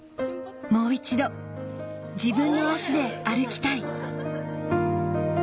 ・もう一度自分の足で歩きたい！